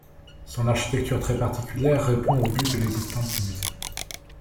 Son architecture très particulière répond au but de l'existence du musée.